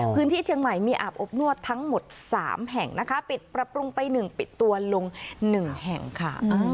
พื้นที่เชียงใหม่มีอาบอบนวดทั้งหมด๓แห่งนะคะปิดปรับปรุงไป๑ปิดตัวลง๑แห่งค่ะ